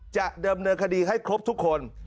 เดิมเนินคดีให้ครบทุกคน